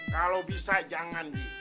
kalau bisa jangan ji